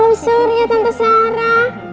oh surya tante sara